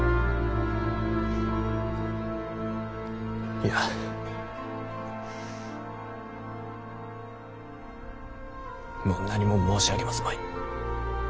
いやもう何も申し上げますまい。